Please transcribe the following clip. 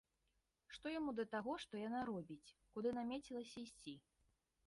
Што яму да таго, што яна робіць, куды намецілася ісці?